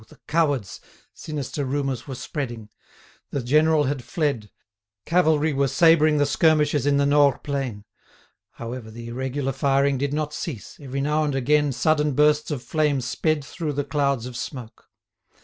the cowards!" sinister rumours were spreading—the general had fled; cavalry were sabring the skirmishers in the Nores plain. However, the irregular firing did not cease, every now and again sudden bursts of flame sped through the clouds of smoke.